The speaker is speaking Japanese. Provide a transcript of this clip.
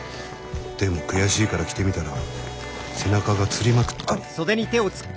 でも悔しいから着てみたら背中がつりまくったり。